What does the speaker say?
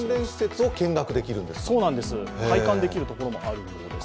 体感できるところもあるようです。